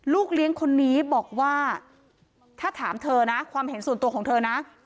ลูกเลี้ยงคนนี้บอกว่าถ้าถามเธอนะความเห็นส่วนตัวของเธอนะ